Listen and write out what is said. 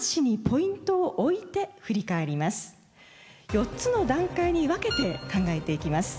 ４つの段階に分けて考えていきます。